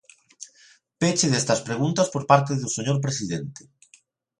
Peche destas preguntas por parte do señor presidente.